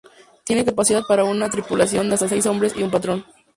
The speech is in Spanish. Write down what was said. Tiene capacidad para una tripulación de hasta seis hombres y un patrón.